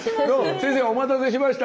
先生お待たせしました。